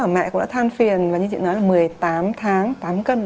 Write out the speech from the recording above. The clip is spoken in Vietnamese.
mẹ cũng đã than phiền và như chị nói là một mươi tám tháng tám cân